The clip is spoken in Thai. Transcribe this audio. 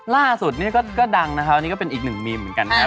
ล่าสุดนี่ก็ดังนะครับนี่ก็เป็นอีกหนึ่งมีมเหมือนกันครับ